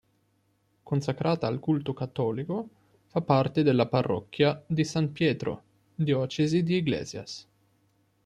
Consacrata al culto cattolico, fa parte della parrocchia di San Pietro, diocesi di Iglesias.